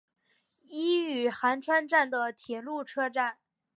伊予寒川站的铁路车站。